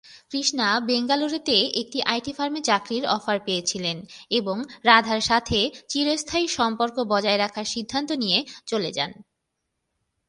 কৃষ্ণা বেঙ্গালুরুতে একটি আইটি ফার্মে চাকরির অফার পেয়েছিলেন এবং রাধার সাথে চিরস্থায়ী সম্পর্ক বজায় রাখার সিদ্ধান্ত নিয়ে চলে যান।